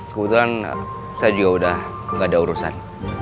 kebetulan saya juga udah gak ada urusan